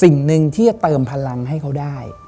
สิ่งหนึ่งที่จะเติมพลังให้เขาได้